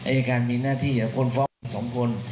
อายการมีหน้าที่คนฟ้อง๒คน